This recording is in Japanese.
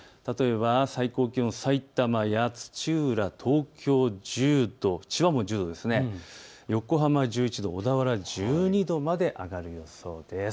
最高気温、さいたまや土浦、東京１０度、千葉も１０度、横浜１１度、小田原１２度まで上がりそうです。